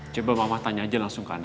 coba mama tanya aja langsung ke anda